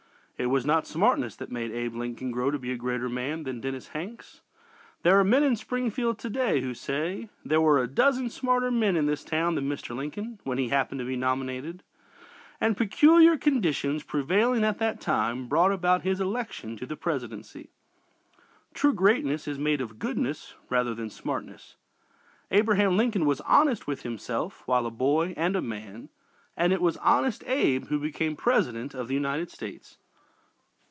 It was not "smartness" that made Abe Lincoln grow to be a greater man than Dennis Hanks. There are men in Springfield to day who say, "There were a dozen smarter men in this town than Mr. Lincoln when he happened to be nominated, and peculiar conditions prevailing at that time brought about his election to the presidency!" True greatness is made of goodness rather than smartness. Abraham Lincoln was honest with himself while a boy and a man, and it was "Honest Abe" who became President of the United States.